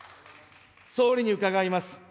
総理に伺います。